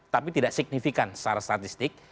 tapi tidak signifikan secara statistik